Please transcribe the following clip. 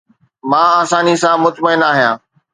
مان آساني سان مطمئن آهيان